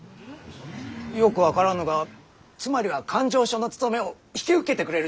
よく分からぬがつまりは勘定所の務めを引き受けてくれるということだな？